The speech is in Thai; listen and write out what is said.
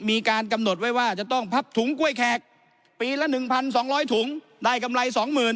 มีการกำหนดไว้ว่าจะต้องพับถุงกล้วยแขกปีละ๑๒๐๐ถุงได้กำไร๒๐๐๐